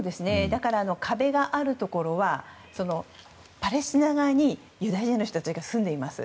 壁があるところはパレスチナ側にユダヤの人たちが住んでいます。